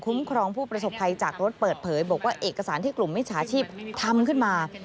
ครองผู้ประสบภัยจากรถเปิดเผยบอกว่าเอกสารที่กลุ่มมิจฉาชีพทำขึ้นมา